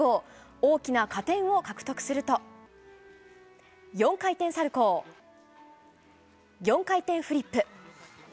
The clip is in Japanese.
大きな加点を獲得すると、４回転サルコー、４回転フリップ。